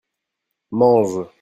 mange.